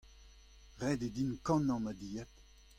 Ret eo din kannañ ma dilhad.